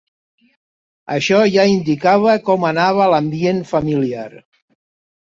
Això ja indicava com anava l'ambient familiar.